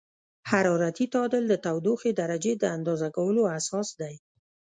حرارتي تعادل د تودوخې درجې د اندازه کولو اساس دی.